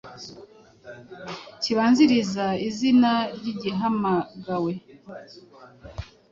kibanziriza izina ry’igihamagawe